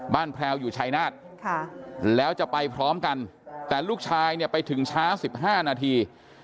แพลวอยู่ชายนาฏแล้วจะไปพร้อมกันแต่ลูกชายเนี่ยไปถึงช้า๑๕นาที